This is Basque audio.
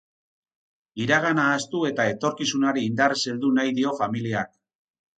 Iragana ahaztu eta etorkizunari indarrez heldu nahi dio familiak.